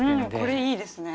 これいいですね。